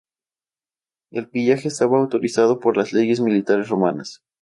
El pillaje estaba autorizado por las leyes militares romanas.